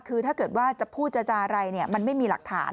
คือถ้าเกิดว่าจะพูดจะจาอะไรเนี่ยมันไม่มีหลักฐาน